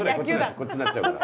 こっちになっちゃうから。